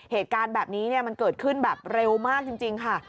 เหตุการณ์แบบนี้มันเกิดขึ้นแบบเร็วมากจริงค่ะ